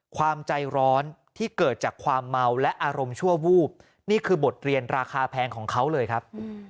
ความใจร้อนที่เกิดจากความเมาและอารมณ์ชั่ววูบนี่คือบทเรียนราคาแพงของเขาเลยครับ